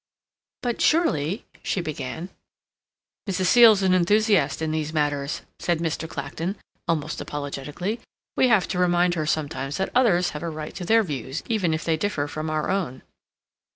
"But surely," she began. "Mrs. Seal is an enthusiast in these matters," said Mr. Clacton, almost apologetically. "We have to remind her sometimes that others have a right to their views even if they differ from our own....